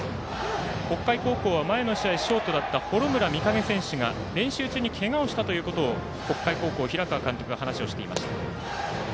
北海高校は前の試合、ショートだった幌村魅影選手が練習中にけがをしたと北海高校、平川監督が話をしていました。